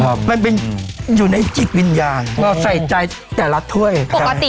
มันเป็นอยู่ในจิตวิญญาณเราใส่ใจแต่ละถ้วยครับ